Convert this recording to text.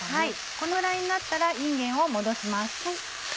このぐらいになったらいんげんを戻します。